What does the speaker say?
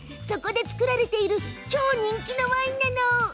そこで造られている超人気のワインなの。